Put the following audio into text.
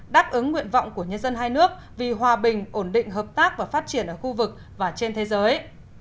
đáp ứng nguyện vọng của nhân dân hai nước vì hòa bình ổn định hợp tác và phát triển ở khu vực và trên thế giới